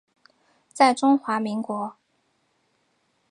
在中华民国。